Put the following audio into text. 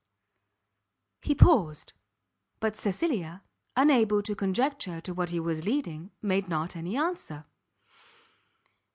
He paused, but Cecilia, unable to conjecture to what he was leading, made not any answer.